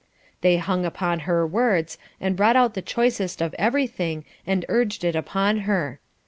They hung upon her words, and brought out the choicest of everything and urged it upon her.